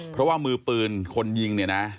เพราะว่ามือปืนคนยิงเนี่ยนะ